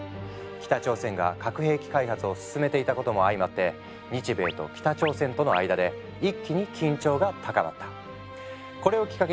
北朝鮮が核兵器開発を進めていたことも相まって日米と北朝鮮との間で一気に緊張が高まった。